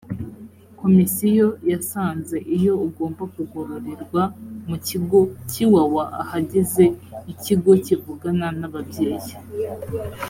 komisiyo yasanze iyo ugomba kugororerwa mu kigo cya iwawa ahageze ikigo kivugana n ababyeyi